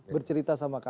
bercerita sama kami